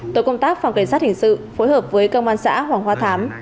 tổ công tác phòng kiểm soát hình sự phối hợp với công an xã hoàng hoa thám